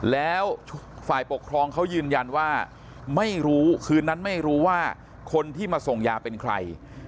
แล้วฝ่ายปกครองเขายืนยันว่าไม่รู้คืนนั้นไม่รู้ว่าคนที่มาส่งยาเป็นใคร